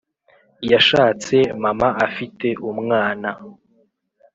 Yashatse Mama afite umwana